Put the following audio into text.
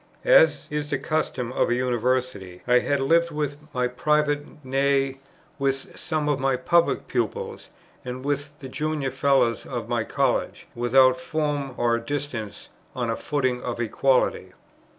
As is the custom of a University, I had lived with my private, nay, with some of my public, pupils, and with the junior fellows of my College, without form or distance, on a footing of equality.